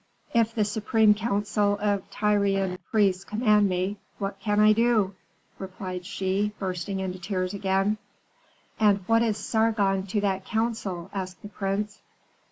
"If the supreme council of Tyrian priests command me, what can I do?" replied she, bursting into tears again. "And what is Sargon to that council?" asked the prince.